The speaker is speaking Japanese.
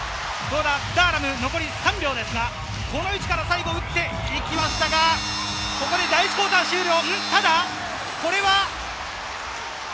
ダーラム、残り３秒ですが、この位置から打っていきましたが、ここで第１クオーター終了。